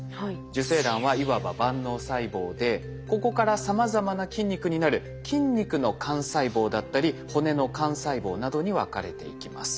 受精卵はいわば万能細胞でここからさまざまな筋肉になる筋肉の幹細胞だったり骨の幹細胞などに分かれていきます。